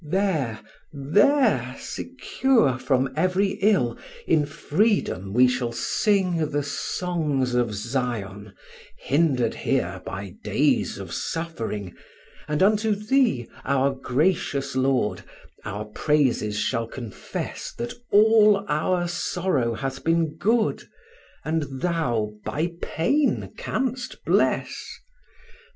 There, there, secure from every ill, in freedom we shall sing The songs of Zion, hindered here by days of suffering, And unto Thee, our gracious Lord, our praises shall confess That all our sorrow hath been good, and Thou by pain canst bless.